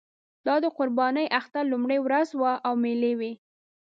دا د قربانۍ اختر لومړۍ ورځ وه او مېلې وې.